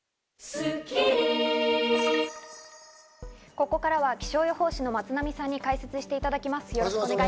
ここからは気象予報士の松並さんに解説していただきます。